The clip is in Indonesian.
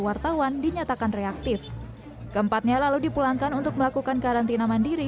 wartawan dinyatakan reaktif keempatnya lalu dipulangkan untuk melakukan karantina mandiri